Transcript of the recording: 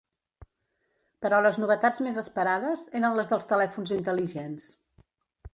Però les novetats més esperades eren les dels telèfons intel·ligents.